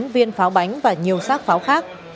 ba mươi chín viên pháo bánh và nhiều xác pháo khác